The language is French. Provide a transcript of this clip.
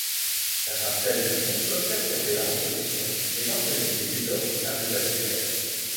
Certains sels de plomb peuvent perturber la reproduction et entraîner des désordres cardiovasculaires.